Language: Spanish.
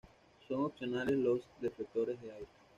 Son opcionales los deflectores de aire.